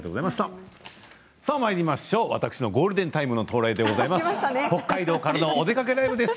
私のゴールデンタイムの到来です。